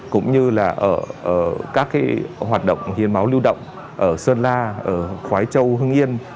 cũng như là ở các hoạt động hiến máu lưu động ở sơn la ở khói châu hưng yên